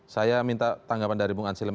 saya minta tanggapan dari bung anselim